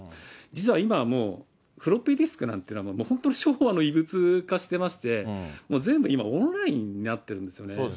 実は今はもう、フロッピーディスクなんていうのは、もう初歩の遺物化していまして、全部今、オンラインになってるんですよね。